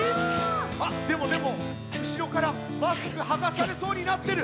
あっでもでもうしろからマスクはがされそうになってる。